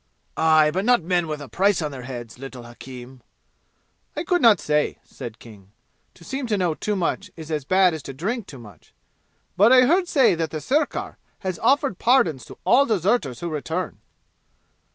"Aye, but not men with a price on their heads, little hakim!" "I could not say," said King. To seem to know too much is as bad as to drink too much. "But I heard say that the sirkar has offered pardons to all deserters who return."